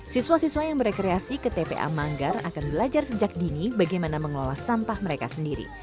siswa siswa yang berkreasi ke tpa manggar akan belajar sejak dini bagaimana mengelola sampah mereka sendiri